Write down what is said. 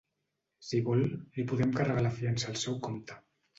Si vol, li podem carregar la fiança al seu compte.